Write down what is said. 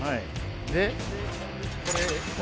でこれを？